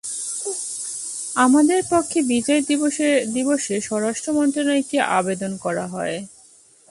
আমাদের পক্ষ থেকে বিজয় দিবসে স্বরাষ্ট্র মন্ত্রণালয়ে একটি আবেদন করা হয়।